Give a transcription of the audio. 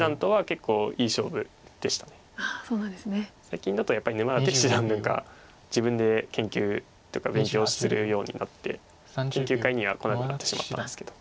最近だとやっぱり沼舘七段自分で研究とか勉強するようになって研究会には来なくなってしまったんですけど。